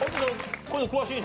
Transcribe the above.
こういうの詳しいの？